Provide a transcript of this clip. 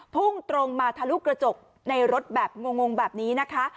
พุ่งตรงมาทะลุกระจกในรถแบบงงแบบนี้นะคะ